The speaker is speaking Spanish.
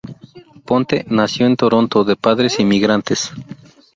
Ponte, nació en Toronto de padres inmigrantes.